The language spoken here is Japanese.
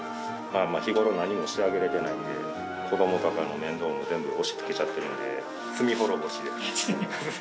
日頃、なんにもしてあげれてないんで子どもとかの面倒も全部、押しつけちゃってるんで、罪滅ぼしで。